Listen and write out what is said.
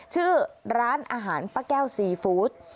ชื่อร้านอาหารป้าแก้วซีฟู้ด